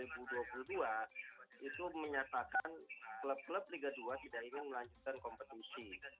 itu menyatakan klub klub liga dua tidak ingin melanjutkan kompetisi